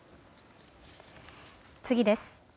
次です。